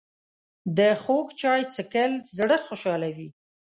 د خوږ چای څښل زړه خوشحالوي